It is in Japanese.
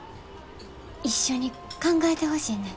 一緒に考えてほしいねん。